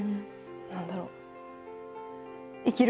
何だろう